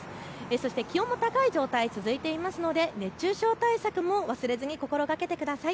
そして気温の高い状態が続いていますので熱中症対策も忘れずに心がけてください。